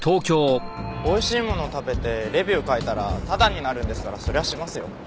おいしいもの食べてレビュー書いたらタダになるんですからそりゃしますよ。